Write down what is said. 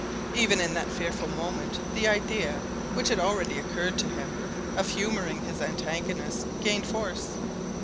Even in that fearful moment the idea, which had already occurred to him, of humouring his antagonist gained force.